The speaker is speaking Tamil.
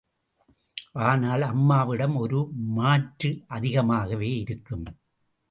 ஆனால் அம்மாவிடம் ஒரு மாற்று அதிகமாகவே இருக்கும்.